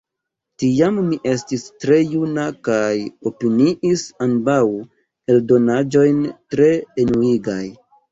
Tiam mi estis tre juna kaj opiniis ambaŭ eldonaĵojn tre enuigaj.